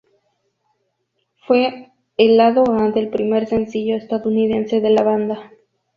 Fue el lado A del primer sencillo estadounidense de la banda.